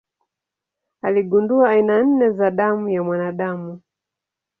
Aligundua aina nne za damu ya mwanadamu.